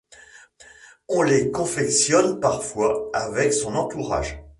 On les confectionne parfois avec son entourage.